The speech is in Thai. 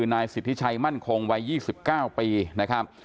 นายสิทธิชัยมั่นคงวัย๒๙ปี